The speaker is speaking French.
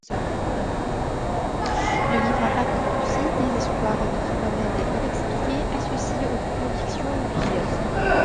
Le livre raconte aussi des histoires de phénomènes inexpliqués, associés aux convictions religieuses.